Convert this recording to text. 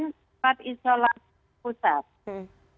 tempat isolasi terpusat